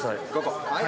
はい。